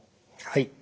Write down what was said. はい。